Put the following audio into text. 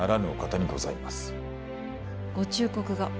ご忠告が。